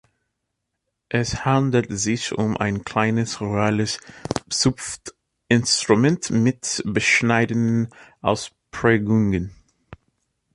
Es handelt sich um ein kleines rurales Zupfinstrument mit bescheidenen Ausprägungen.